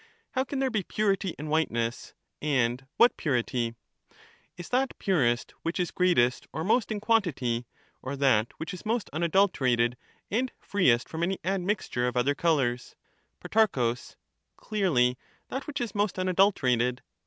How can there be purity in whiteness, and what ^"^y »s purity ? Is that purest which is greatest or most in quantity, nJ^^by or that which is most unadulterated and freest from any quantity, admixture of other colours ? q^Uy Pro. Clearly that which is most unadulterated.